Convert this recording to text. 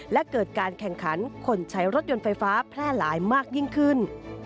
และเกิดการแข่งขันคนใช้รถยนต์ไฟฟ้าแพร่หลายมากยิ่งขึ้น